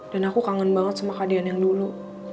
dan aku kangen banget sama kak deyan yang dulu